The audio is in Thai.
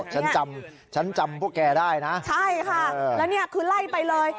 ฉันจำฉันจำพวกแกได้นะใช่ค่ะแล้วเนี่ยคือไล่ไปเลย